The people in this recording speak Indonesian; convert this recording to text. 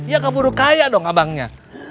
ya keburu kaya dong abangnya